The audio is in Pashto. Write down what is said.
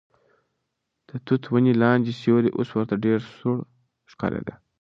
د توت ونې لاندې سیوری اوس ورته ډېر سوړ ښکارېده.